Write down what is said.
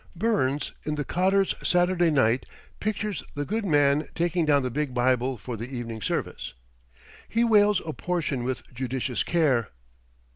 Burns, in the "Cotter's Saturday Night," pictures the good man taking down the big Bible for the evening service: "He wales a portion with judicious care."